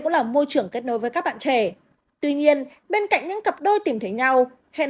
là môi trường kết nối với các bạn trẻ tuy nhiên bên cạnh những cặp đôi tìm thấy nhau hẹn